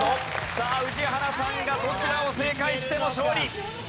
さあ宇治原さんがどちらを正解しても勝利。